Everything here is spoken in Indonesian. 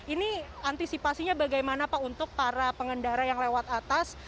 ini antisipasinya bagaimana pak untuk para pengendara yang lewat atas